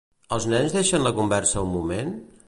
Els nens deixen la conversa un moment?